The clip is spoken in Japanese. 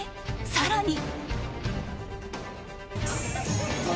更に。